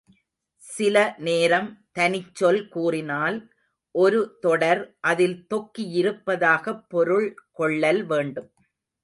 சில நேரம் தனிச்சொல் கூறினால், ஒரு தொடர் அதில் தொக்கியிருப்பதாகப் பொருள் கொள்ளல் வேண்டும்.